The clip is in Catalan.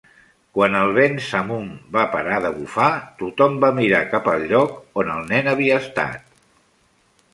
Quan el vent samum va parar de bufar, tothom va mirar cap el lloc on el nen havia estat.